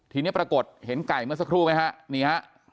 ทีนี้ปรากฏเห็นไก่เมื่อสักครู่ไหมฮะนี่ฮะ